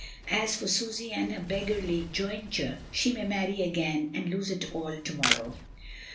As for Susy and her beggarly jointure, she may marry again and lose it all to morrow.